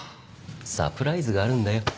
サプライズがあるんだよ。